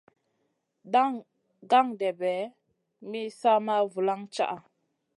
Daŋ gan-ɗèɓè mi sa ma vulaŋ caʼa.